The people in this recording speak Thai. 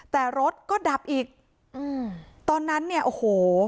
แต่รถก็ดับอีกอืมตอนนั้นเนี่ยโอ้โห